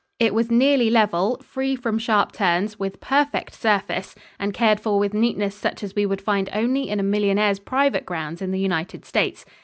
It was nearly level, free from sharp turns, with perfect surface, and cared for with neatness such as we would find only in a millionaire's private grounds in the United States.